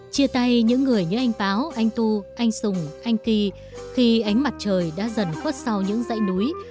chia tay những người như anh báo anh tu anh sùng anh kỳ khi ánh mặt trời đã dần khuất sau những dãy núi